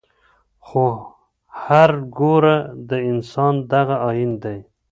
خو هرګوره د انسان دغه آیین دی